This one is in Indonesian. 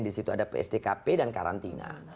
di situ ada pstkp dan karantina